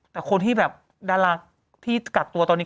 แต่คนที่แบบดาราที่กักตัวตอนนี้